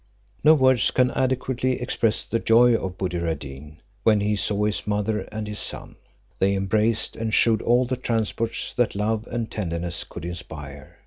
No words can adequately express the joy of Buddir ad Deen, when he saw his mother and his son. They embraced, and shewed all the transports that love and tenderness could inspire.